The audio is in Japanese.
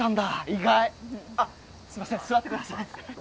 意外あっすいません座ってください